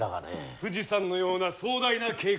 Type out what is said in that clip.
富士山のような壮大な計画。